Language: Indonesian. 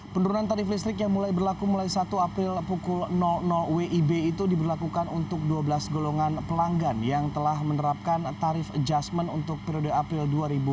penurunan tarif listrik yang mulai berlaku mulai satu april pukul wib itu diberlakukan untuk dua belas golongan pelanggan yang telah menerapkan tarif adjustment untuk periode april dua ribu dua puluh